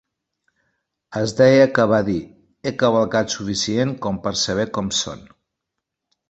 Es deia que va dir: "He cavalcat suficient com per saber com són.